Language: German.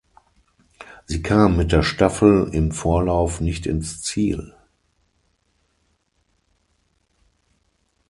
Sie kam mit der Staffel im Vorlauf nicht ins Ziel.